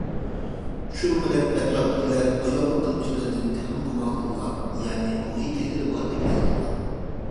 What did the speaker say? شۇنىڭ بىلەن ئەتراپتىكىلەر ئايالنىڭ قىلمىشلىرىدىن تېخىمۇ گۇمان قىلغان، يەنى روھىي كېسىلى باردەك ھېس قىلغان.